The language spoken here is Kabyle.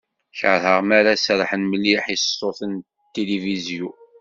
Kerheɣ mi ara serḥen mliḥ i ṣṣut n tilifizyu.